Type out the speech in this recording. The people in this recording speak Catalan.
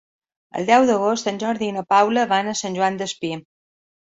El deu d'agost en Jordi i na Paula van a Sant Joan Despí.